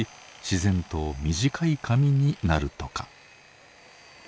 自然と短い髪になるとか。